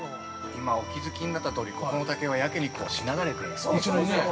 ◆今、お気づきになったとおりここの竹は、やけにしなだれていますよね。